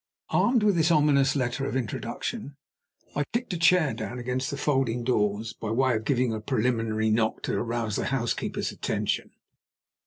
Armed with this ominous letter of introduction, I kicked a chair down against the folding doors, by way of giving a preliminary knock to arouse the housekeeper's attention.